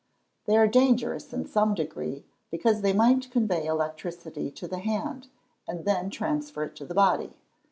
_ They are dangerous in some degree, because they might convey electricity to the hand, and then transfer it to the body.